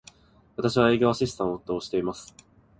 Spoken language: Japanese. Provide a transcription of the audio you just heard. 私は、営業アシスタントをしています。